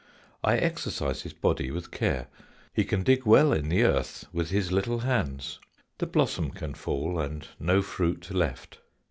I exercise his body with care, he can dig well in the earth with his little hands. The blossom can fall and no fruit left.